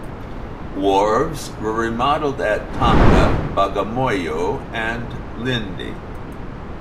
Wharves were remodeled at Tanga, Bagamoyo and Lindi.